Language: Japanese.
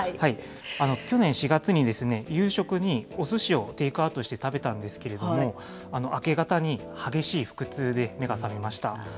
去年４月に、夕食におすしをテイクアウトして食べたんですけれども、明け方に激しい腹痛で目が覚めました。